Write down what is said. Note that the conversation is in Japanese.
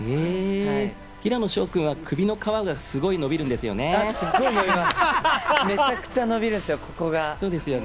平野紫耀君は、首の皮がすごい伸びるんですよね。